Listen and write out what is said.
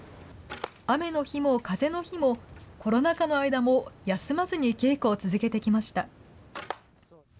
雨の日も風の日もコロナ禍の間も休まずに稽古を続けてきました。